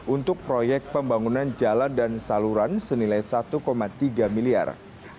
untuk proyek pembangunan jalan dan saluran senilai satu tiga miliar